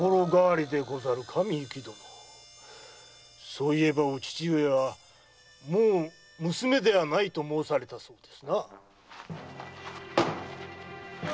そういえばお父上は「もう娘ではない」と申されたそうで。